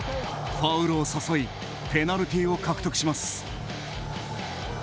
ファウルを誘いペナルティを獲得します。